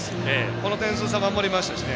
この点数差、守りましたからね。